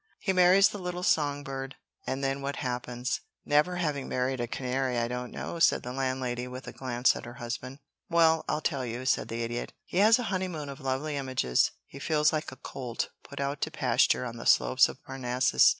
He marries the little songbird, and then what happens?" "Never having married a canary, I don't know," said the Landlady, with a glance at her husband. "Well, I'll tell you," said the Idiot. "He has a honeymoon of lovely images. He feels like a colt put out to pasture on the slopes of Parnassus.